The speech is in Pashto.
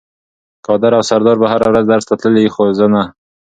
قادر او سردار به هره ورځ درس ته تلل خو زه نه.